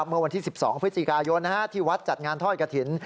เมื่อวันที่๑๒พฤศจิกายนที่วัดจัดงานทอดกระถิ่น